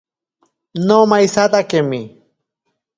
Nomaisatakemi.